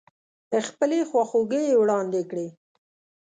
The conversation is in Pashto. خپلې خواخوږۍ يې واړندې کړې.